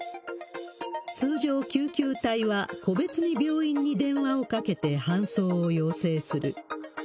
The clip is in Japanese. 通常、救急隊は、個別に病院に電話をかけて搬送を要請する。